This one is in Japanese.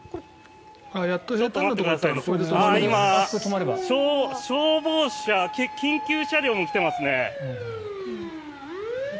今、消防車緊急車両も来ていますね。